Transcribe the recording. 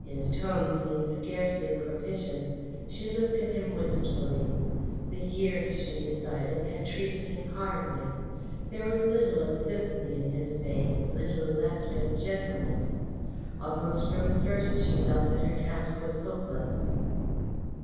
His tone seemed scarcely propitious. She looked at him wistfully. The years, she decided, had treated him hardly. There was little of sympathy in his face, little left of gentleness. Almost from the first she felt that her task was hopeless.